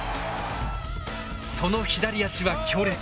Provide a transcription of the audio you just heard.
その左足は強烈。